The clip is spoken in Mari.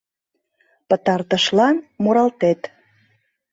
Пытартышлан муралтет...»